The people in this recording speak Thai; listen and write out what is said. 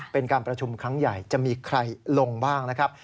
เป็นการประชุมครั้งใหญ่จะมีใครลงบ้างนะครับ